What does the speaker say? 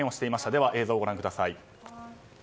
では、映像をご覧ください。